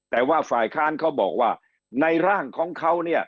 แต่ว่าฝ่ายค้านเขาบอกว่าในร่างของเขาเนี่ย